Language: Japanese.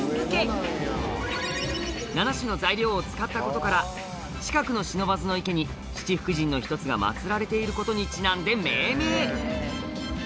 ７種の材料を使ったことから近くの不忍池に七福神の１つが祀られていることにちなんで命名！